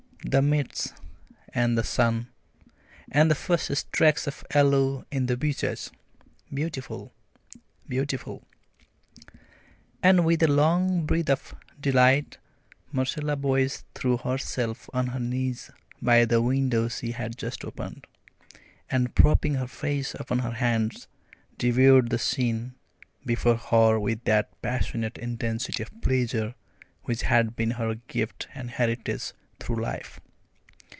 "The mists and the sun and the first streaks of yellow in the beeches beautiful! beautiful!" And with a long breath of delight Marcella Boyce threw herself on her knees by the window she had just opened, and, propping her face upon her hands, devoured the scene, before her with that passionate intensity of pleasure which had been her gift and heritage through life.